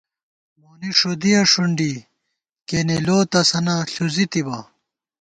مونی ݭُدِیَہ ݭُنڈی کېنے لو تسَنہ ݪُزِی تِبہ